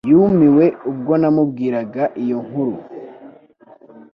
Yumiwe ubwo namubwiraga iyo nkuru